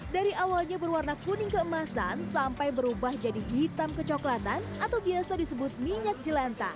dari awalnya berwarna kuning keemasan sampai berubah jadi hitam kecoklatan atau biasa disebut minyak jelanta